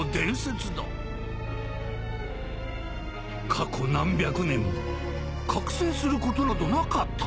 過去何百年も覚醒することなどなかった。